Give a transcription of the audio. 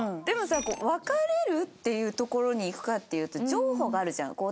でもさ別れるっていうところにいくかっていうと譲歩があるじゃん。